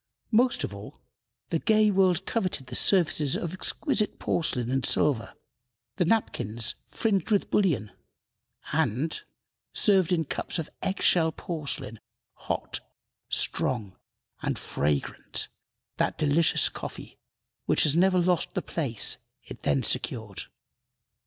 Most of all, the gay world coveted the services of exquisite porcelain and silver, the napkins fringed with bullion, and served in cups of egg shell porcelain, hot, strong, and fragrant that delicious coffee which has never lost the place it then secured.